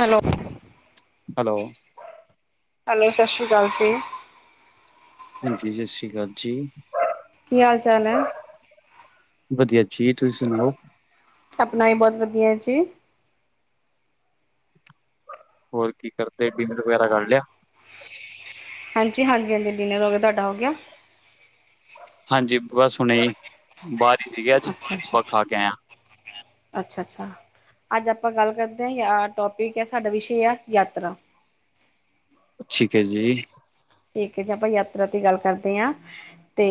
Hello hello hello ਸਤਿ ਸ਼੍ਰੀ ਅਕਾਲ ਜੀ। ਹਾਂਜੀ ਸਤਿ ਸ੍ਰੀ ਅਕਾਲ ਜੀ। ਕੀ ਹਾਲ ਚਾਲ ਹੈ। ਵਧੀਆ ਜੀ ਤੁਸੀਂ ਸੁਣਾਓ। ਆਪਣਾ ਵੀ ਬੋਤ ਵਧੀਆ ਜੀ। ਹੋਰ ਕੀ ਕਰਦੇ ਡਿਨਰ ਵਗੈਰਾ ਕਰ ਲਿਆ। ਹਾਂਜੀ-ਹਾਂਜੀ-ਹਾਂਜੀ ਡਿਨਰ ਹੋ ਗਿਆ ਤੁਹਾਡਾ ਹੋ ਗਿਆ। ਹਾਂਜੀ ਬਸ ਹੁਣੇ ਬਾਰ ਸੀਗੇ ਅੱਜ ਓ ਖਾ ਕੇ ਆਇਆ। ਅੱਛਾ-ਅੱਛਾ ਅੱਜ ਆਪਾਂ ਗੱਲ ਕਰਦੇ ਹਾਂ ਯ ਟੋਪਿਕ ਹੈ ਸਾਡਾ ਵਿਸ਼ੇ ਆ ਯਾਤਰਾ ਠੀਕ ਏ ਜੀ। ਠੀਕ ਹੈ ਜੀ ਆਪਾਂ ਯਾਤਰਾ ਦੀ ਗੱਲ ਕਰਦੇ ਹਾਂ ਤੇ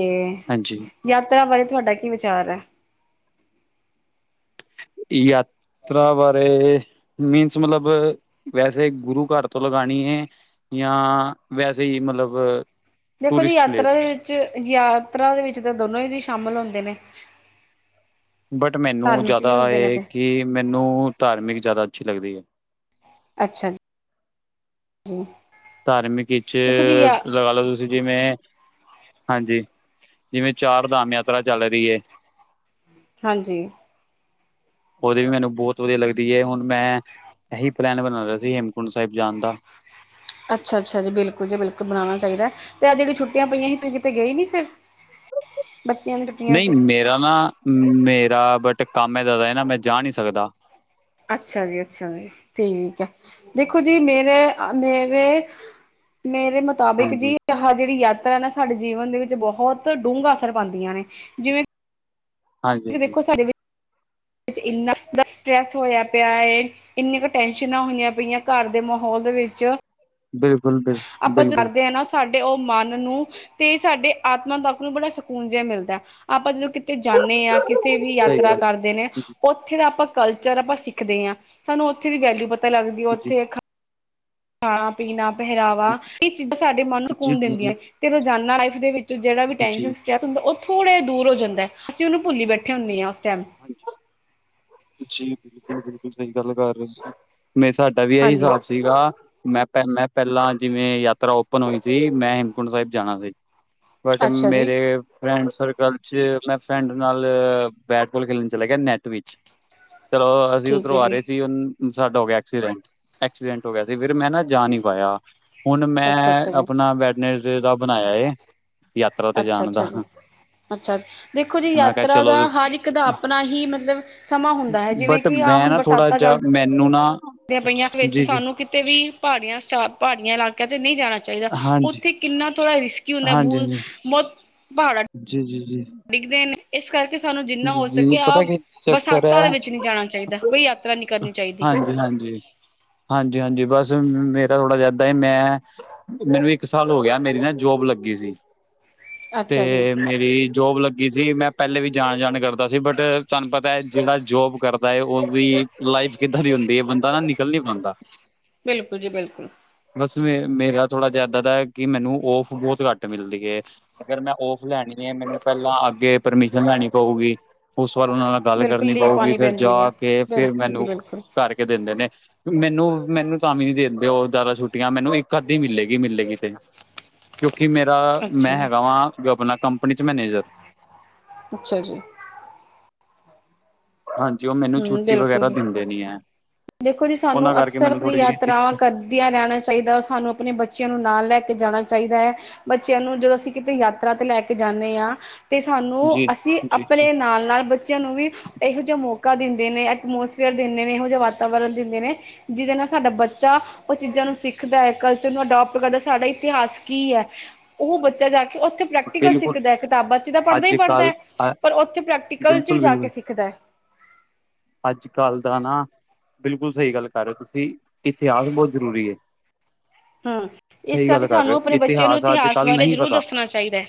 ਹਾਂਜੀ ਯਾਤਰਾ ਬਾਰੇ ਤੁਹਾਡਾ ਕੀ ਵਿਚਾਰ ਐ। [inaudible] ਯਾਤਰਾ ਬਾਰੇ ਮੀਨਸ ਮਤਲਬ ਵੈਸੇ ਗੁਰੂ ਘਰ ਤੋਂ ਲਗਾਨੀ ਏ। ਜਾਂ ਵੈਸੇ ਈ ਮਲਬ ਦੇਖੋ ਜੀ ਯਾਤਰਾ ਦੇ ਵਿੱਚ ਯਾਤਰਾ ਦੇ ਵਿੱਚ ਤਾਂ ਦੋਨੋ ਹੀ ਜੀ ਸ਼ਾਮਿਲ ਹੁੰਦੇ ਨੇ। ਬਟ ਮੈਨੂੰ ਧਾਰਮਿਕ ਵੀ ਜਾਦਾ ਹੁੰਦੇ ਨੇ ਇਹ ਤੇ ਕਿ ਮੈਨੂੰ ਧਾਰਮਿਕ ਜਾਦਾ ਅੱਛੀ ਲੱਗਦੀ ਏ। ਅੱਛਾ ਜੀ। ਧਾਰਮਿਕ 'ਚ ਦੇਖੋ ਜੀ ਯਾ ਲਗਾ ਲਓ ਤੁਸੀਂ ਜਿਵੇਂ ਹਾਂਜੀ ਜਿਵੇਂ ਚਾਰ ਧਾਮ ਯਾਤਰਾ ਚੱਲ ਰਈ ਏ। ਹਾਂਜੀ ਉਹਦੇ ਵੀ ਮੈਨੂੰ ਬਹੁਤ ਵਧੀਆ ਲੱਗਦੀ ਏ ਹੁਣ ਮੈਂ ਇਹੀ ਪਲੈਨ ਬਣਾ ਰਿਆ ਸੀ। ਹੇਮਕੁੰਟ ਸਾਹਿਬ ਜਾਣ ਦਾ। ਅੱਛਾ-ਅੱਛਾ ਜੀ ਬਿਲਕੁਲ ਜੀ ਬਿਲਕੁਲ ਬਣਾਉਣਾ ਚਾਹੀਦਾ ਤੇ ਆਹ ਜਿਹੜੀਆਂ ਛੁੱਟੀਆਂ ਪਈਆਂ ਸੀ ਤੁਸੀਂ ਕਿਤੇ ਗਏ ਨੀ ਫਿਰ [inaudible] ਬੱਚਿਆਂ ਦੇ ਨਈ ਮੇਰਾ ਨਾ ਮੇਰਾ ਬਟ ਕੰਮ ਹੈ ਇਦਾ ਦਾ ਨਾ ਮੈਂ ਜਾ ਨਈ ਸਕਦਾ। ਅੱਛਾ ਜੀ-ਅੱਛਾ ਜੀ ਠੀਕ ਹੈ ਦੇਖੋ ਜੀ ਮੇਰੇ- ਮੇਰੇ ਮੇਰੇ ਮਤ ਮੁਤਾਬਿਕ ਜੀ ਹਾਂਜੀ ਆਹ ਜਿਹੜੀ ਯਾਤਰਾ ਨਾ ਸਾਡੇ ਜੀਵਨ ਦੇ ਵਿੱਚ ਬਹੁਤ ਡੂੰਘਾ ਅਸਰ ਪਾਂਦੀਆਂ ਨੇ ਜਿਵੇਂ ਹਾਂਜੀ ਕਿਉਂਕਿ ਹਾਂਜੀ ਦੇਖੋ ਸਾਡੇ ਵਿੱਚ ਇੰਨਾ ਜ਼ਿਆਦਾ ਸਟਰ੍ਰੈਸ ਹੋਇਆ ਪਿਆ ਏ। ਇੰਨੀਆਂ ਕੁ ਟੈਨਸ਼ਨਾਂ ਹੋਈਆਂ ਪਈਆਂ ਘਰ ਦੇ ਮਾਹੌਲ ਦੇ ਵਿੱਚ। ਬਿਲਕੁਲ। ਬਿਲ ਆਪਾਂ ਬਿਲਕੁਲ ਜਾਂਦੇ ਹਾ ਨਾ। ਸਾਡੇ ਉਹ ਮਨ ਨੂੰ ਤੇ ਸਾਡੇ ਆਤਮਾ ਤੱਕ ਨੂੰ ਬੜਾ ਸਕੂਨ ਜਿਹਾ ਮਿਲਦਾ ਆਪਾਂ ਜਦੋਂ। ਕਿਤੇ ਜਾਂਦੇ ਹਾਂ, ਕਿਤੇ ਵੀ ਸਹੀ ਯਾਤਰਾ ਗੱਲ ਕਰਦੇ ਨੇ ਜੀ ਉਹ। ਉੱਥੇ ਦਾ ਆਪਾਂ ਕਲਚਰ ਆਪਾਂ ਸਿੱਖਦੇ ਹਾਂ। ਸਾਨੂੰ ਉੱਥੇ ਦੀ ਵੈਲਿਊ ਪਤਾ ਲੱਗਦੀ ਹੈ ਜੀ ਉੱਥੇ। ਜੀ ਖਾਣਾ, ਪੀਣਾ, ਪਹਿਰਾਵਾ ਇਹ ਚੀਜ਼ਾਂ ਸਾਡੇ ਮਨ ਨੂੰ ਸਕੂਨ ਜੀ ਜੀ ਦਿੰਦੀਆਂ ਜੀ ਤੇ ਰੋਜ਼ਾਨਾ ਲਾਈਫ ਦੇ ਵਿੱਚ। ਜਿਹੜਾ ਵੀ ਜੀ ਟੈਂਸ਼ਨ ਸਟਰੈਸ ਹੁੰਦਾ। ਉਹ ਥੋੜਾ ਜਿਹਾ ਦੂਰ ਹੋ ਜਾਂਦਾ ਹੈ। ਅਸੀ ਉਹਨੂੰ ਭੁੱਲੀ ਬੈਠੇ ਹੁੰਦੇ ਹਾਂ ਉਸ ਟਾਈਮ। ਹਾਂ ਜੀ ਬਿਲਕੁਲ ਬਿਲਕੁਲ ਸਹੀ ਗੱਲ ਕਰ ਰਹੇ ਸੀ ਮੈਂ ਸਾਡਾ ਵੀ ਇਹੀ ਹਾਂਜੀ। ਹਿਸਾਬ ਸੀਗਾ। ਮੈਂ ਪ ਮੈਂ ਪਹਿਲਾਂ ਜਿਵੇਂ ਯਾਤਰਾ ਓਪਨ ਹੋਈ ਸੀ। ਮੈਂ ਹੇਮਕੁੰਟ ਸਾਹਿਬ ਜਾਣਾ ਸੀ। ਬਟ ਅੱਛਾ ਜੀ ਮੇਰੇ। ਫਰੈਂਡ ਸਰਕਲ 'ਚ ਮੈਂ ਫਰੈਂਡ ਨਾਲ ਬੈਟਬੋਲ ਖੇਡਣ ਚਲਾ ਗਿਆ ਨੈੱਟ ਵਿੱਚ। ਜਦੋਂ ਅਸੀਂ ਠੀਕ ਹੈ ਉੱਧਰੋਂ ਆ ਜੀ ਰਹੇ ਸੀ ਸਾਡਾ ਹੋ ਗਿਆ ਐਕਸੀਡੈਂਟ। ਐਕਸੀਡੈਂਟ ਹੋ ਗਿਆ ਸੀ ਫਿਰ ਮੈਂ ਨਾ। ਜਾ ਨਹੀਂ ਪਾਇਆ ਹੁਣ ਮੈਂ ਅੱਛਾ ਅੱਛਾ ਜੀ ਆਪਣਾ ਵੈਡਨੈਸਡੇ ਦਾ ਬਣਾਇਆ ਹੈ। ਅੱਛਾ ਅੱਛਾ ਜੀ ਅੱਛਾ ਦੇਖੋ ਜੀ ਮੈਂ ਕਿਹਾ ਯਾਤਰਾ ਚਲੋ ਦਾ ਹਰ ਇੱਕ ਦਾ ਆਪਣਾ ਆਪਣਾ ਹੀ ਮਤਲਬ ਸਮਾਂ ਹੁੰਦਾ ਹੈ। ਜਿਵੇਂ ਬਟ ਕਿ ਆਹ ਮੈਂ ਹੁਣ ਨਾ ਥੋੜਾ ਬਰਸਾਤਾਂ ਜਿਹਾ ਚੱਲਦੀਆਂ। ਮੈਨੂੰ ਨਾ। ਚੱਲਦੀਆ ਪਈਆਂ ਵਿੱਚ ਜੀ ਜੀ ਸਾਨੂੰ ਕਿਤੇ ਵੀ ਪਹਾੜੀਆਂ ਪਹਾੜੀਆਂ ਇਲਾਕਿਆਂ 'ਚ ਨਹੀਂ ਜਾਣਾ ਚਾਹੀਦਾ ਹਾਂਜੀ ਉੱਥੇ। ਕਿੰਨਾ ਥੋੜ੍ਹਾ ਰਿਸਕੀ ਹੁੰਦਾ ਬਹੁਤ ਬਹੁਤ ਪਹਾੜਾ। ਜੀ, ਜੀ, ਜੀ। ਡਿੱਗਦੇ ਨੇ ਇਸ ਕਰਕੇ ਸਾਨੂੰ ਜਿੰਨਾ ਹੋ ਸਕੇ ਆਹ ਪਤਾ ਕੀ ਬਰਸਾਤਾਂ ਦੇ ਵਿੱਚ ਨਹੀਂ ਜਾਣਾ ਚਾਹੀਦਾ। ਕੋਈ ਨਹੀਂ ਕਰਨੀ ਚਾਹੀਦੀ ਹਾਂਜੀ, ਹਾਂਜੀ। ਹਾਂਜੀ, ਹਾਂਜੀ ਬਸ ਮੇਰਾ ਥੋੜ੍ਹਾ ਜਿਹਾ ਏਦਾਂ ਹੀ ਹੈ ਮੈਂ। ਮੈਨੂੰ ਇੱਕ ਸਾਲ ਹੋ ਗਿਆ, ਮੇਰੀ ਨਾ ਜੋਬ ਲੱਗੀ ਸੀ। ਅੱਛਾ ਜੀ ਤੇ ਮੇਰੀ ਜੋਬ ਲੱਗੀ ਸੀ। ਮੈਂ ਪਹਿਲੇ ਵੀ ਜਾਣ ਜਾਣ ਕਰਦਾ ਸੀ। ਬਟ ਤੁਹਾਨੂੰ ਪਤਾ ਹੈ ਜਿਹੜਾ ਜੋਬ ਕਰਦਾ ਹੈ, ਉਹਦੀ ਲਾਈਫ ਕਿੱਦਾਂ ਦੀ ਹੁੰਦੀ ਹੈ। ਬੰਦਾ ਨਾ ਨਿਕਲ ਨੀ ਪਾਉਂਦਾ। ਬਿਲਕੁਲ ਜੀ ਬਿਲਕੁਲ। ਬਸ ਫਿਰ ਮੇਰਾ ਥੋੜਾ ਜਿਹਾ ਇਦਾਂ ਦਾ ਕਿ ਮੈਨੂੰ ਔਫ ਬਹੁਤ ਘੱਟ ਮਿਲਦੀ ਹੈ। ਅਗਰ ਮੈਂ ਔਫ ਲੈਣੀ ਹੈ। ਮੈਨੂੰ ਪਹਿਲਾਂ ਅੱਗੇ ਪਰਮਿਸ਼ਨ ਲੈਣੀ ਪਊਗੀ। ਉਸ ਵਾਰ ਗੱਲ ਬਿਲਕੁਲ ਕਰਨੀ ਲੀਹ ਪਊਗੀ। ਪਾਣੀ ਫੇਰ ਜਾ ਪੈਂਦੀ ਹੈ ਕੇ ਫਿਰ ਬਿਲਕੁਲ ਜੀ ਮੈਨੂੰ ਬਿਲਕੁਲ ਕਰਕੇ ਦਿੰਦੇ ਨੇ। ਮੈਨੂੰ ਮੈਨੂੰ ਤਾਂ ਵੀ ਨੀ ਦਿੰਦੇ ਉਹ ਜ਼ਿਆਦਾ ਛੁੱਟੀਆਂ ਮੈਨੂੰ ਇੱਕ ਅੱਧੀ ਮਿਲੇਗੀ ਮਿਲੇਗੀ ਤੇ। ਕਿਉਂਕਿ ਮੇਰਾ ਅੱਛਾ ਮੈਂ ਜੀ ਹੈਗਾ ਵਾਂ ਆਪਣਾ ਕੰਪਨੀ 'ਚ ਮੈਨੇਜਰ। ਅੱਛਾ ਜੀ। ਹਾਂਜੀ ਉਹ ਮੈਨੂੰ ਹਮ ਛੁੱਟੀ ਬਿਲਕੁਲ ਵਗੈਰਾ ਜੀ ਦਿੰਦੇ ਨੀ ਹੈ। ਦੇਖੋ ਜੀ ਸਾਨੂੰ ਉਹਨਾਂ ਕਰਕੇ ਅਕਸਰ ਮੈਨੂੰ ਆਪਣੀ ਥੋੜੀ ਜਿਹੀ ਯਾਤਰਾਵਾਂ ਕਰ ਕਰਦਿਆਂ ਰਹਿਣਾ ਚਾਹੀਦਾ। ਸਾਨੂੰ ਆਪਣੇ ਬੱਚਿਆਂ ਨੂੰ ਨਾਲ ਲੈ ਕੇ ਜਾਣਾ ਚਾਹੀਦਾ ਹੈ। ਬੱਚਿਆਂ ਨੂੰ ਜਦੋਂ ਅਸੀਂ ਕਿਤੇ ਯਾਤਰਾ ਤੇ ਲੈ ਕੇ ਜਾਂਨੇ ਹਾਂ। ਅਤੇ ਸਾਨੂੰ ਜੀ ਅਸੀਂ ਜੀ ਜੀ ਆਪਣੇ ਨਾਲ ਨਾਲ ਬੱਚਿਆਂ ਨੂੰ ਵੀ ਇਹੋ ਜਿਹਾ ਮੌਕਾ ਦਿੰਦੇ ਨੇ ਐਟਮੋਸਫੀਅਰ ਦਿੰਦੇ ਨੇ ਇਹੋ ਜਿਹਾ ਵਾਤਾਵਰਨ ਦਿੰਦੇ ਨੇ। ਜਿਹਦੇ ਨਾਲ ਸਾਡਾ ਬੱਚਾ ਉਹ ਚੀਜ਼ਾਂ ਨੂੰ ਸਿੱਖਦਾ ਹੈ ਕਲਚਰ ਨੂੰ ਅਡੋਪਟ ਕਰਦਾ ਸਾਡਾ ਇਤਿਹਾਸ ਕੀ ਹੈ। ਉਹ ਬੱਚਾ ਜਾ ਕੇ ਉੱਥੇ ਪ੍ਰੈਕਟੀਕਲ ਬਿਲਕੁਲ ਸਿੱਖਦਾ ਕਿਤਾਬਾਂ ਚ ਤਾਂ ਪੜ੍ਹਦਾ ਹੀ ਅੱਜ ਪੜ੍ਹਦਾ ਕੱਲ ਹੈ ਪਰ ਉੱਥੇ ਪ੍ਰੈਕਟੀਕਲ ਚ' ਵੀ ਬਿਲਕੁਲ ਜਾ ਕੇ ਬਿਲਕੁਲ ਸਿੱਖਦਾ। ਅੱਜ ਕੱਲ ਦਾ ਨਾ ਬਿਲਕੁਲ ਸਹੀ ਗੱਲ ਕਰ ਰਹੇ ਹੋ ਤੁਸੀਂ ਇਤਿਹਾਸ ਬਹੁਤ ਜ਼ਰੂਰੀ ਐ ਹਾਂ ਇਸ ਕਰਕੇ ਕਰ ਰਹੇ ਸਾਨੂੰ ਹੋ ਆਪਣੇ ਬੱਚੇ ਨੂੰ ਅੱਜ ਇਤਿਹਾਸ ਕੱਲ੍ਹ ਬਾਰੇ ਨਹੀਂ ਜ਼ਰੂਰ ਪਤਾ ਦੱਸਣਾ ਚਾਹੀਦਾ ਹੈ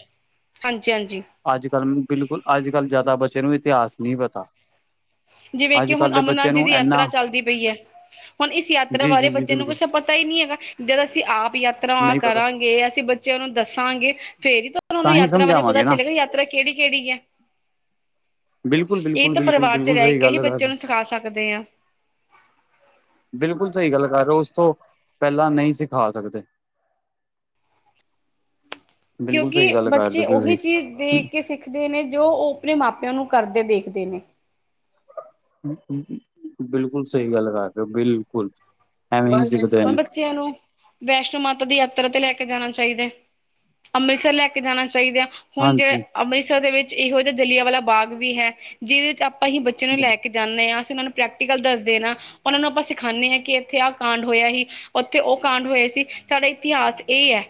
ਹਾਂਜੀ ਹਾਂਜੀ ਅੱਜ ਕੱਲ ਬਿਲਕੁਲ ਅੱਜ ਕੱਲ੍ਹ ਜ਼ਿਆਦਾ ਬੱਚੇ ਨੂੰ ਇਤਿਹਾਸ ਨਹੀਂ ਪਤਾ ਜਿਵੇਂ ਕਿ ਅੱਜ ਹੁਣ ਕੱਲ੍ਹ ਦੇ ਅਮਰਨਾਥ ਬੱਚੇ ਜੀ ਨੂੰ ਦੀ ਯਾਤਰਾ ਇੰਨਾ ਚੱਲਦੀ ਪਈ ਹੈ ਹੁਣ ਇਸ ਯਾਤਰਾ ਜੀ ਬਾਰੇ ਜੀ ਜੀ ਬੱਚੇ ਨੂੰ ਬਿਲਕੁਲ ਕੁਛ ਪਤਾ ਹੀ ਨਹੀਂ ਹੈਗਾ ਜਦ ਅਸੀਂ ਆਪ ਯਾਤਰਾ ਨਹੀਂ ਪਤਾ ਕਰਾਂਗੇ ਅਸੀਂ ਬਚੇ ਬੱਚੇ ਉਹਨੂੰ ਦੱਸਾਂਗੇ ਫੇਰ ਹੀ ਤਾਂ ਉਹਨੂੰ ਹੀ ਯਾਤਰਾ ਬਾਰੇ ਪਤਾ ਸਮਝਾਵਾਂਗੇ ਨਾ ਚਲੇਗਾ ਯਾਤਰਾ ਕਿਹੜੀ ਕਿਹੜੀ ਹੈ ਬਿਲਕੁਲ ਬਿਲਕੁਲ ਬਿਲਕੁਲ ਬਿਲਕੁਲ ਲੈ ਸਹੀ ਕੇ ਹੀ ਗੱਲ ਕਰ ਬੱਚਿਆਂ ਰਹੇ, ਨੂੰ ਸਿਖਾ ਸਕਦੇ ਹਾਂ ਬਿਲਕੁਲ ਸਹੀ ਗੱਲ ਕਰ ਰਹੇ ਹੋ ਉਸ ਤੋਂ ਪਹਿਲਾਂ ਨਹੀਂ ਸਿਖਾ ਸਕਦੇ ਬਿਲਕੁਲ ਸਹੀ ਕਿਉਂਕਿ ਗੱਲ ਕਰ ਬੱਚੇ ਰਹੇ ਹੋ ਉਹੀ ਤੁਸੀਂ ਚੀਜ਼ ਦੇਖ ਕੇ ਸਿੱਖ ਦੇਖਦੇ ਨੇ ਜੋ ਉਹ ਆਪਣੇ ਮਾਪਿਓ ਨੂੰ ਕਰਦੇ ਦੇਖਦੇ ਨੇ ਬਿਲਕੁਲ ਸਹੀ ਗੱਲ ਕਰਦੇ ਹੋ ਬਿਲਕੁਲ ਐਵੇਂ ਹੀ ਸਿੱਖਦੇ ਹੌਣ ਨੇ ਬੱਚੇਿਆਂ ਨੂੰ ਵੈਸ਼ਨੋ ਮਾਤਾ ਦੀ ਯਾਤਰਾ ਤੇ ਲੈ ਕੇ ਜਾਣਾ ਚਾਹੀਦਾ ਅੰਮ੍ਰਿਤਸਰ ਲੈ ਕੇ ਜਾਣਾ ਚਾਹੀਦਾ ਹੁਣ ਜਿਵੇਂ ਹਾਂਜੀ ਅੰਮ੍ਰਿਤਸਰ ਦੇ ਵਿੱਚ ਇਹੋ ਜਿਹਾ ਜਲੀਆਂ ਵਾਲਾ ਬਾਗ ਵੀ ਹੈ ਜਿਹਦੇ ਵਿੱਚ ਆਪਾਂ ਹੀ ਬੱਚੇ ਨੂੰ ਲੈ ਕੇ ਜਾਂਦੇ ਹਾਂ ਅਸੀਂ ਉਹਨਾਂ ਨੂੰ ਪ੍ਰੈਕਟੀਕਲ ਦੱਸਦੇ ਆ ਉਹਨਾਂ ਨੂੰ ਆਪਾਂ ਸਿਖਾਉਂਦੇ ਹਾਂ ਕਿ ਇੱਥੇ ਆਹ ਕਾਂਡ ਹੋਇਆ ਸੀ ਉੱਥੇ ਉਹ ਕਾਂਡ ਹੋਇਆ ਸੀ ਸਾਡਾ ਇਤਿਹਾਸ ਇਹ ਹੈ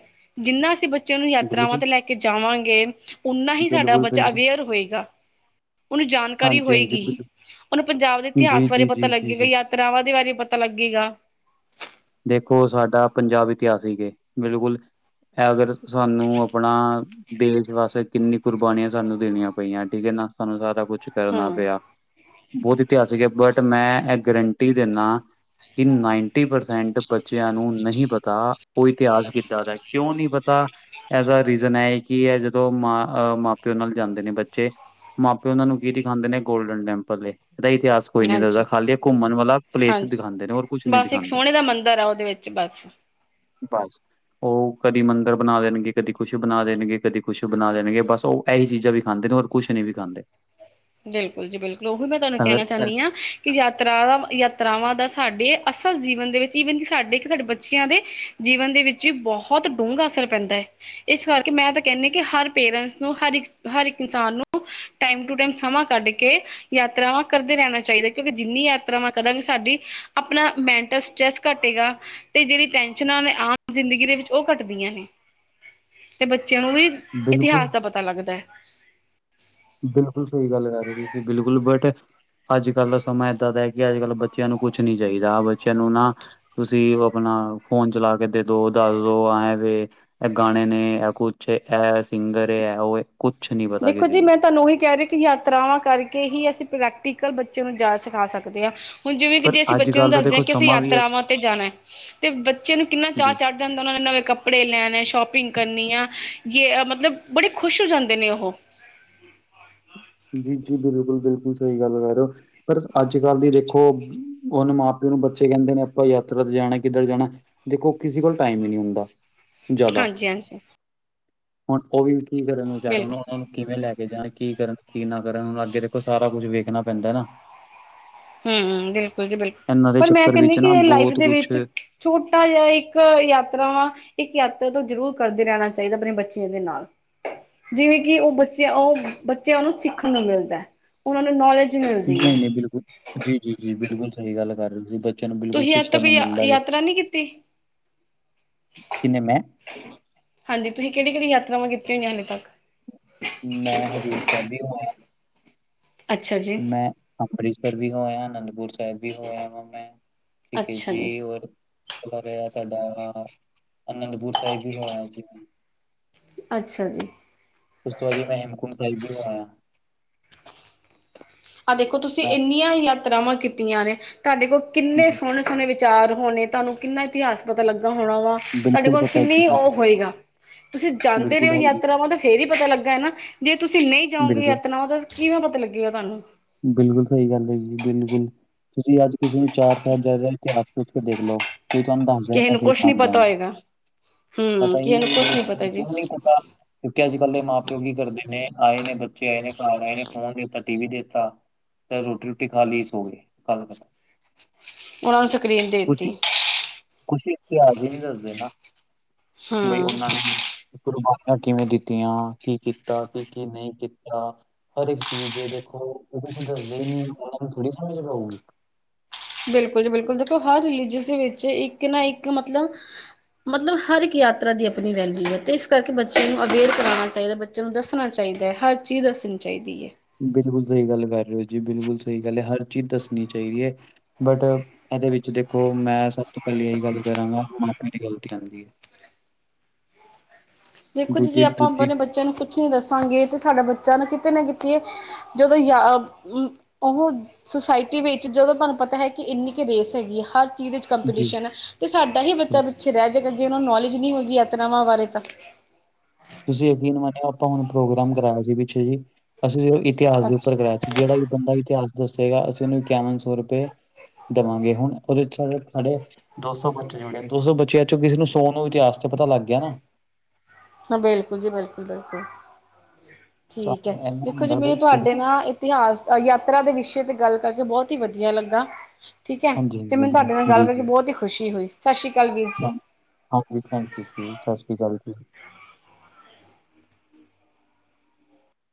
ਜਿੰਨਾ ਅਸੀਂ ਬ ਬੱਚੇ ਨੂੰ ਯਾਤਰਾਵਾਂ ਬਿਲਕੁਲ ਤੇ ਲੈ ਕੇ ਜਾਵਾਂਗੇ ਓਨਾ ਹੀ ਸਾਡਾ ਬਿਲਕੁਲ ਬੱਚਾ ਬਿਲਕੁਲ ਅਵੇਅਰ ਹੋਏਗਾ ਉਹਨੂੰ ਜਾਣਕਾਰੀ ਹਾਂਜੀ ਹੋਏਗੀ ਹਾਂਜੀ ਉਹਨੂੰ ਪੰਜਾਬ ਦੇ ਜੀ, ਇਤਿਹਾਸ ਬਾਰੇ ਜੀ, ਪਤਾ ਜੀ, ਜੀ, ਜੀ। ਲੱਗੇਗਾ ਤਰਾਵਾਂ ਦੇ ਬਾਰੇ ਪਤਾ ਲੱਗੇਗਾ ਦੇਖੋ ਸਾਡਾ ਪੰਜਾਬ ਇਤਿਹਾਸਿਕ ਏ ਬਿਲਕੁਲ ਹੈ, ਅਗਰ ਸਾਨੂੰ ਆਪਣਾ ਦੇਸ਼ ਵਾਸਤੇ ਕਿੰਨਨੀ ਕੁਰਬਾਨੀਆਂ ਸਾਨੂੰ ਦੇਣੀਆਂ ਪਈਆਂ ਠੀਕ ਹੈ ਨਾ ਸਾਨੂੰ ਸਾਰਾ ਕੁਛ ਕਰਨਾ ਹਮ ਪਿਆ ਬਹੁਤ ਇਤਿਹਾਸਿਕ ਹੈ ਬਟ ਮੈਂ ਇਹ ਗਰੰਟੀ ਦਿੰਨਾ ਕਿ ਨਾਈਨਟੀ ਪਰਸੰਟ ਸੈਂਟ ਬੱਚਿਆਂ ਨੂੰ ਨਹੀਂ ਪਤਾ ਉਹ ਇਤਿਹਾਸ ਕਿੱਦਾਂ ਦਾ ਕਿਉਂ ਨਹੀਂ ਪਤਾ ਇਹਦਾ ਰੀਜ਼ਨ ਹੈ ਇਹ ਕਿ ਇਹ ਜਦੋਂ ਮਾਂ ਮਾਂ ਪਿਓ ਨਾਲ ਜਾਂਦੇ ਨੇ ਬੱਚੇ ਮਾਂ ਪਿਓਨਾਂ ਨੂੰ ਕੀ ਦਿਖਾਉਦੇ ਨੇ ਗੋਲਡਨ ਟੈਂਪਲ ਏ, ਇਹਦਾ ਇਤਿਹਾਸ ਕੋਈ ਨੀ ਦੱਸਦਾ, ਹਾਂਜੀ ਖਾਲੀ ਇਹ ਘੁੰਮਣ ਵਾਲਾ ਪਲੇਸ ਹਾਂਜੀ ਦਿਖਾਂਦੇ ਨੇ ਹੋਰ ਕੁਛ ਨੀ ਬਸ ਇੱਕ ਦਿਖਾਉਂਦੇ ਸੋਹਣੇ ਦਾ ਮੰਦਿਰ ਆ ਉਹਦੇ ਵਿੱਚ ਚ ਬਸ ਬਸ ਉਹ ਕਦੀ ਮੰਦਿਰ ਬਣਾ ਦੇਣਗੇ ਕਦੀ ਕੁਛ ਬਣਾ ਦੇਣਗੇ ਕਦੀ ਕੁਛ ਬਣਾ ਦੇਣਗੇ ਬਸ ਉਹ ਇਹੀ ਚੀਜ਼ਾਂ ਵੀਖਾਂਦੇ ਨੇ ਔਰ ਕੁਛ ਨਹੀਂ ਵੀਖਾਂਦੇ ਬਿਲਕੁਲ ਜੀ ਬਿਲਕੁਲ ਉਹੀ ਮੈਂ ਤੁਹਾਨੂੰ ਅਗਰ ਕਹਿਣਾ ਚਾਹੁੰਦੀ ਹਾਂ ਕਿ ਯਾਤਰਾ ਯਾਤਰਾਵਾਂ ਦਾ ਸਾਡੇ ਅਸਲ ਜੀਵਨ ਦੇ ਵਿੱਚ ਈਵਨ ਕਿ ਸਾਡੇ ਕਿ ਸਾਡੇ ਬੱਚਿਆਂ ਦੇ ਜੀਵਨ ਦੇ ਵਿੱਚ ਵੀ ਬਹੁਤ ਢੂੰਗਾ ਅਸਰ ਪੈਂਦਾ ਹੈ ਇਸ ਕਰਕੇ ਮੈਂ ਤਾਂ ਕਹਿੰਦੀ ਕਿ ਹਰ ਪੇਰੈਂਟਸ ਨੂੰ ਹਰ ਇੱਕ ਹਰ ਇੱਕ ਇਨਸਾਨ ਨੂੰ ਟਾਈਮ ਟੂ ਟਾਈਮ ਸਮਾਂ ਕੱਢ ਕੇ ਯਾਤਰਾਵਾਂ ਕਰਦੇ ਰਹਿਣਾ ਚਾਹੀਦਾ, ਕਿਉਂਕਿ ਜਿੰਨੀ ਯਾਤਰਾਵਾਂ ਕਦਾਂ ਵੀ ਸਾਡੀ ਆਪਣਾ ਮੈਂਟਲ ਸਟਰੈਸ ਘੱਟੇਗਾ ਤੇ ਜਿਹੜੀ ਟੈਨਸ਼ਨਾਂ ਨੇ ਆਮ ਜ਼ਿੰਦਗੀ ਦੇ ਵਿੱਚ ਉਹ ਘੱਟਦੀਆਂ ਨੇ, ਤੇ ਬੱਚਿਆਂ ਨੂੰ ਵੀ ਬਿਲਕੁਲ ਇਤਿਹਾਸ ਦਾ ਪਤਾ ਲੱਗਦਾ ਹੈ ਬਿਲਕੁਲ ਸਹੀ ਗੱਲ ਕਰ ਰਹੇ ਹੋ ਤੁਸੀਂ, ਬਿਲਕੁਲ ਬਟ ਅੱਜ ਕੱਲ ਦਾ ਸਮਾਂ ਇੱਦਾਂ ਦਾ ਕਿ ਅੱਜ ਕੱਲ ਬੱਚਿਆਂ ਨੂੰ ਕੁਛ ਨੀ ਚਾਹੀਦਾ ਬੱਚਿਆਂ ਨੂੰ ਨਾ ਤੁਸੀਂ ਉਹ ਆਪਣਾ ਫੋਨ ਚਲਾ ਕੇ ਦੇ ਦੋ ਦੱਸ ਦੋ ਐਂ ਵੇ ਐ ਗਾਣੇ ਨੇ ਐ ਕੁਛ ਏ ਇਹ ਸਿੰਗਰ ਏ ਇਹ ਓਹ ਏ ਕੁ ਦੇਖੋ ਜੀ ਮੈਂ ਤੁਹਾਨੂੰ ਉਹੀ ਕਹਿ ਰਹੀ ਯਾਤਰਾਵਾਂ ਕਰਕੇ ਹੀ ਅਸੀਂ ਪ੍ਰੈਕਟੀਕਲ ਬੱਚੇ ਨੂੰ ਜ ਸਿਖਾ ਸਕਦੇ ਹਾਂ। ਹੁਣ ਜਿਵੇਂ ਕਿ ਪਰ ਜੇ ਅਸੀਂ ਅੱਜ ਬੱਚਿਆਂ ਨੂੰ ਕੱਲ੍ਹ ਦਾ ਦੱਸਦੇ ਦੇਖੋ ਹਾਂ ਕਿ ਅਸੀਂ ਸਮਾਂ ਵੀ ਹੈ ਯਾਤਰਾਵਾਂ ਤੇ ਜਾਣਾ ਤੇ ਬੱਚੇ ਨੂੰ ਕਿੰਨਾ ਚਾਹ ਜੀ ਚੜ ਜਾਂਦਾ ਉਹਨਾਂ ਨੇ ਨਵੇਂ ਕੱਪੜੇ ਲੈਣੇ ਸ਼ੋਪਿੰਗ ਕਰਨੀ ਆ ਯੇ ਮਤਲਬ ਬੜੇ ਖੁਸ਼ ਹੋ ਜਾਂਦੇ ਨੇ ਉਹ [unintelligible] ਉਹ ਜੀ ਜੀ ਬਿਲਕੁਲ ਬਿਲਕੁਲ ਸਹੀ ਗੱਲ ਕਰ ਰਹੇ ਹੋ। ਪਰ ਅੱਜ ਕੱਲ੍ਹ ਦੀ ਦੇਖੋ [unintelligible] ਮਾਂ ਪਿਓ ਨੂੰ ਬੱਚੇ ਕਹਿੰਦੇ ਨੇ ਆਪਾਂ ਯਾਤਰਾ ਤੇ ਜਾਣਾ ਕਿੱਧਰ ਜਾਣਾ ਦੇਖੋ ਕਿਸੇ ਕੋਲ ਟਾਈਮ ਹੀ ਨਹੀਂ ਹੁੰਦਾ। ਜ਼ਿਆਦਾ। ਹਾਂਜੀ ਹਾਂਜੀ। ਹੁਣ ਉਹ ਵੀ ਕੀ ਕਰਨ ਵਿਚਾਰੇ ਬਿਲਕੁਲ ਉਹਨਾਂ ਨੂੰ ਕਿਵੇਂ ਲੈ ਕੇ ਜਾਣ ਕੀ ਕਰਨ ਕੀ ਨਾ ਕਰਣ ਹੁਣ ਅੱਗੇ ਦੇਖੋ ਸਾਰਾ ਕੁਛ ਵੇਖਣਾ ਪੈਂਦਾ ਨਾ। ਹਮ ਬਿਲਕੁਲ ਜੀ ਬਿਲਕੁਲ ਇਹਨਾਂ ਦੇ ਪਰ ਮੈਂ ਚੱਕਰ ਕਹਿੰਦੀ ਵਿੱਚ ਨਾ ਕਿ ਲਾਈਫ ਬਹੁਤ ਦੇ ਕੁਛ ਵਿੱਚ ਛੋਟਾ ਜਿਹਾ ਇੱਕ ਯਾਤਰਾ ਇੱਕ ਯਾਤਰਾ ਤੋਂ ਜ਼ਰੂਰ ਕਰਦੇ ਰਹਿਣਾ ਚਾਹੀਦਾ ਆਪਣੇ ਬੱਚਿਆਂ ਦੇ ਨਾਲ। ਜਿਵੇਂ ਕਿ ਉਹ ਬੱਚਿਆਂ ਉਹ ਬੱਚਿਆਂ ਉਹਨੂੰ ਸਿੱਖਣ ਨੂੰ ਮਿਲਦਾ ਉਹਨਾਂ ਨੂੰ ਨੌਲੇਜ ਮਿਲਦੀ ਹੈ। ਨਹੀਂ, ਨਹੀਂ ਬਿਲਕੁਲ ਜੀ ਜੀ ਜੀ ਬਿਲਕੁਲ ਸਹੀ ਗੱਲ ਕਰ ਰਹੇ ਹੋ ਤੁਸੀਂ ਨੂੰ ਬਿਲਕੁਲ ਤੁਸੀਂ ਅੱਜ ਸਿੱਖਣ ਤੱਕ ਨੂੰ ਯਾ ਮਿਲਦਾ ਏ। ਯਾਤਰਾ ਨਹੀਂ ਕੀਤੀ? ਕਿੰਨੇ ਮੈਂ, ਹਾਂਜੀ ਤੁਸੀਂ ਕਿਹੜੀ ਕਿਹੜੀ ਯਾਤਰਾਵਾਂ ਕੀਤੀ ਹੋਈਆਂ ਹਲੇ ਤੱਕ? ਮੈਂ ਹਜ਼ੂਰ ਸਾਹਿਬ ਵੀ ਹੋ ਆਯਾ। ਅੱਛਾ ਜੀ, ਮੈਂ ਅੰਮ੍ਰਿਤਸਰ ਵੀ ਹੋ ਆਯਾ ਅਨੰਦਪੁਰ ਹੋਆ ਵਾ ਮੈਂ ਠੀਕ ਹੈ ਜੀ ਔਰ [unintelligible] ਰਿਹਾ ਤੁਹਾਡਾ ਅਨੰਦਪੁਰ ਸਾਹਿਬ ਵੀ ਹੋ ਆਯਾ ਜਿਵੇਂ ਅੱਛਾ ਜੀ। ਉਸ ਤੋਂ ਬਾਅਦ ਹੀ ਮੈਂ ਹੇਮਕੁੰਟ ਸਾਹਿਬ ਵੀ ਹੋ ਆਇਆ। ਆਹ ਦੇਖੋ ਤੁਸੀਂ ਮੈਂ ਇੰਨੀਆਂ ਯਾਤਰਾਵਾਂ ਕੀਤੀਆਂ ਨੇ ਤੁਹਾਡੇ ਕੋਲ ਕਿੰਨੇ ਜੀ ਸੋਹਣੇ ਵਿਚਾਰ ਹੋਣੇ ਤੁਹਾਨੂੰ ਕਿੰਨਾ ਇਤਿਹਾਸ ਪਤਾ ਲੱਗਾ ਹੋਣਾ ਵਾ ਤੁਹਾਡੇ ਬਿਲਕੁਲ ਕੋਲ ਪਤਾ ਹੈ ਕਿੰਨਾ ਜੀ ਉਹ ਮੈਨੂੰ, ਹੋਏਗਾ ਤੁਸੀਂ ਜਾਂਦੇ ਰਹੇ ਬਿਲਕੁਲ ਹੋ ਹੈ ਜੀ, ਯਾਤਰਾਵਾਂ ਤਾਂ ਫੇਰ ਹੀ ਪਤਾ ਲੱਗਾ ਨਾ ਜੇ ਤੁਸੀਂ ਨਹੀਂ ਜਾਓਗੇ ਬਿਲਕੁਲ। ਯਾਤਰਾਵਾਂ ਤਾਂ ਕਿਵੇਂ ਪਤਾ ਲੱਗੇਗਾ ਤੁਹਾਨੂੰ? ਬਿਲਕੁਲ ਸਹੀ ਗੱਲ ਹੈ ਜੀ ਬਿਲਕੁਲ ਤੁਸੀਂ ਅੱਜ ਕਿਸੇ ਨੂੰ ਚਾਰ ਸਾਹਿਬ ਜਾਦਇਆ ਦਾ ਇਤਿਹਾਸ ਕੁਛ ਕੇ ਦੇਖ ਲਓ ਕੋਈ ਤੁਹਾਨੂੰ ਦੱਸ [unintelligible] ਕਿਸੇ ਮੈਂ ਨੂੰ ਫੇਰ ਕੁਛ ਨੀ ਪਤਾ ਜਾਗਾ ਹੋਏਗਾ। ਹੂੰ, ਪਤਾ ਹੀ ਕਿਸੇ ਨਹੀਂ ਨੂੰ ਕੁਛ ਇਸ ਨੀ ਪਤਾ ਜੀ, ਕਿਉਂ ਨਹੀਂ ਪਤਾ ਕਿਉਂਕਿ ਅੱਜ ਕੱਲ ਦੇ ਮਾਂ ਪਿਓ ਕੀ ਕਰਦੇ ਨੇ ਆਏ ਨੇ ਬੱਚੇ ਆਏ ਨੇ ਘਰ ਆਏ ਨੇ ਫੋਨ ਦਿੱਤਾ ਟੀ ਵੀ ਦੇ ਦਿੱ ਤੇ ਰੋਟੀ ਰੋਟੀ ਖਾ ਲਈ ਸੋ ਗਏ ਗੱਲ ਖਤਮ ਉਹਨਾਂ ਨੂੰ ਸਕਰੀਨ ਦੇ ਕੁਛ ਤੀ। ਕੁਛ ਇਤਿਹਾਸ ਹੀ ਨਹੀਂ ਦੱਸਦੇ ਨਾ ਬਈ ਹੂੰ, ਉਹਨਾਂ ਨੇ ਕੁਰਬਾਨੀਆਂ ਕਿਵੇਂ ਦਿੱਤੀਆਂ ਕੀ ਕੀਤਾ ਕਿ ਕੀ ਨਹੀਂ ਕੀਤਾ। ਹਰ ਇੱਕ ਚੀਜ਼ ਏ ਦੇਖੋ ਉਹ ਤੁਂਸੀ ਦੱਸਦੇ ਹੀ ਨੀ ਉਹਨਾ ਨੂੰ ਥੋੜੀ ਸਮਝ ਪਊਗੀ ਬਿਲਕੁਲ ਜੀ ਬਿਲਕੁਲ ਦੇਖੋ ਹਰ ਰਿਲੀਜਸ ਦੇ ਵਿੱਚ ਇੱਕ ਨਾ ਇੱਕ ਮਤਲਬ ਮਤਲਬ ਹਰ ਇੱਕ ਯਾਤਰਾ ਦੀ ਆਪਣੀ ਵੈਲਿਊ ਹੈ ਤੇ ਇਸ ਕਰਕੇ ਬੱਚਿਆਂ ਨੂੰ ਅਵੇਅਰ ਕਰਾਉਣਾ ਚਾਹੀਦਾ ਬਚਿਆਂਚ ਨੂੰ ਦੱਸਣਾ ਚਾਹੀਦਾ ਹੈ ਹਰ ਚੀਜ਼ ਦੱਸਣੀ ਚਾਹੀਦੀ ਹੈ। ਬਿਲਕੁਲ ਸਹੀ ਗੱਲ ਕਰ ਰਹੇ ਹੋ ਜੀ ਬਿਲਕੁਲ ਸਹੀ ਗੱਲ ਹੈ ਹਰ ਚੀਜ਼ ਦੱਸਣੀ ਚਾਹੀਦੀ ਹੈ ਬਟ ਐਦੇ ਵਿੱਚ ਦੇਖੋ ਮੈਂ ਸਬ ਤੋਂ ਪੈਲੇ ਐਹੀ ਗੱਲ ਕਰਾਂਗਾ ਮਾਂ ਪਓ ਦੀ ਗਲਤੀ ਹੁੰਦੀ। [inaudible] ਦੇਖੋ ਜੀ ਜੇ ਦੂਜੀ ਆਪਾਂ ਦੂਜੀ ਆਪਣੇ ਬੱਚਿਆਂ ਨੂੰ ਕੁਛ ਨੀ ਦੱਸਾਂਗੇ ਤੇ ਸਾਡੇ ਬੱਚਾ ਨਾ ਕਿਤੇ ਨਾ ਕਿਤੇ ਜਦੋਂ ਯ ਅ ਓਹ ਸੁੋਸਾਇਟੀ ਵਿੱਚ ਜਦੋਂ ਤੁਆਨੂੰ ਪਤਾ ਐ ਕਿ ਇੰਨੀ ਕੁ ਰੇਸ ਹੈਗੀ ਐ ਹਰ ਚੀਜ਼ ਚ ਜੀ ਜੀ। ਕੰਪਟੀਸ਼ਨ ਹੈ ਤੇ ਸਾਡਾ ਹੀ ਬੱਚਾ ਪਿੱਛੇ ਰੈ ਜੇਗਾ ਜੇ ਓਨਾਨੂੰ ਨਾਲੇਜ ਨੀ ਹੋਏਗੀ ਯਾਤਰਾਵਾਂ ਬਾਰੇ ਤਾਂ ਤੁਸੀਂ ਯਕੀਨ ਮੰਨਿਓ ਆਪਾਂ ਹੁਣ ਪ੍ਰੋਗਰਾਮ ਕਰਾਇਆ ਸੀ ਪਿੱਛੇ ਜੀ ਅਸੀਂ ਸਿਰਫ ਇਤਿਹਾਸ ਦੇ ਉੱਪਰ ਅੱਛਾ ਕਰਾਇਆ ਸੀ। ਜੇੜਾ ਵੀ ਬੰਦਾ ਇਤਿਹਾਸ ਦੱਸੇਗਾ ਅਸੀਂ ਓਨੂੰ ਇਕਯਾਵਨ ਸੌ ਰੁਪਏ ਦਵਾਂਗੇ ਹੁਣ ਓਦੇ ਚ ਐ ਸਾਡੇ ਦੋ ਸੌ ਬੱਚੇ ਜੁੜੇ ਦੋ ਸੌ ਬੱਚਿਆਂ ਚੋਂ ਕਿਸੇ ਨੂੰ ਸੋ ਨੂੰ ਇਤਿਹਾਸ ਤੇ ਪਤਾ ਲੱਗ ਗਿਆ ਨਾ। ਹਾਂ ਬਿਲਕੁਲ ਜੀ ਬਿਲਕੁਲ ਬਿਲਕੁਲ ਠੀਕ ਐ ਸਾਨੂੰ ਇੰਨਾ ਦੇਖੋ ਜੀ ਹੁੰਦਾ ਬਈ ਮੈਨੂੰ ਕਿਸੇ ਤੁਆਡੇ ਨੂੰ ਨਾਲ ਇਤਿਹਾਸ ਯਾਤਰਾ ਦੇ ਵਿਸ਼ੇ ਤੇ ਗੱਲ ਕਰਕੇ ਬੋਤ ਈ ਵਦੀਆ ਲੱਗਾ। ਠੀਕ ਐ ਹਾਂਜੀ ਤੇ ਹਾਂਜੀ ਮੈਨੂੰ ਤੁਆਡੇ ਨਾਲ ਬਿਲਕੁਲ ਗੱਲ ਜੀ ਕਰਕੇ ਜੀ ਬੋਤ ਈ ਖੁਸ਼ੀ ਹੋਈ ਸਾਸ਼ੀ ਕਾਲ ਵੀਰ ਜੀ। ਹਾਂ- ਹਾਂਜੀ ਥੈਂਕ ਯੂ ਜੀ ਸਾਸ਼੍ਰੀ ਕਾਲ ਜੀ।